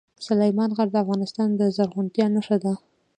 سلیمان غر د افغانستان د زرغونتیا نښه ده.